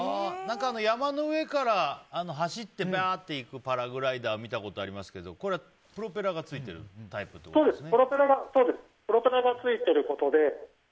山の上から走っていくパラグライダーは見たことありますけどこれはプロペラがついてるタイプということですね。